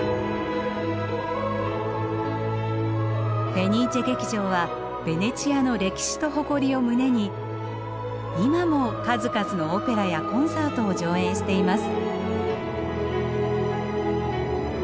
フェニーチェ劇場はベネチアの歴史と誇りを胸に今も数々のオペラやコンサートを上演しています。